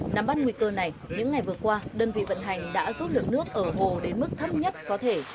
nắm bắt nguy cơ này những ngày vừa qua đơn vị vận hành đã rút lượng nước ở hồ đến mức thấp nhất có thể